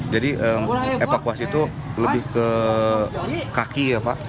jadi evakuasi tuh lebih ke kaki ya pak